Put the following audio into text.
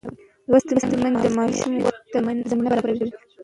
لوستې میندې د ماشوم ودې ته زمینه برابروي.